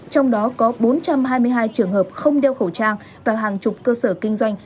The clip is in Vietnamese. trong đó có bốn trăm hai mươi hai trường hợp không đeo khẩu trang và hàng chục cơ sở kinh doanh